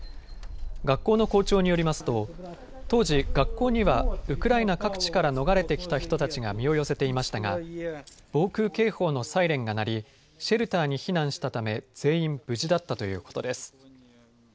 学校の校長によりますと当時、学校にはウクライナ各地から逃れてきた人たちが身を寄せていましたが防空警報のサイレンが鳴りシェルターに避難したため全員無事だったということです。